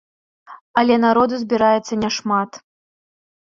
Але народу збіраецца няшмат.